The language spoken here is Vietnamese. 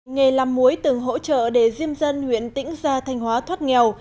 nghề làm muối từng hỗ trợ để diêm dân huyện tĩnh gia thanh hóa thoát nghèo